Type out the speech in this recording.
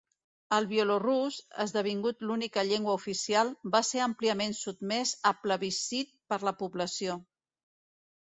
El bielorús, esdevingut l'única llengua oficial, va ser àmpliament sotmès a plebiscit per la població.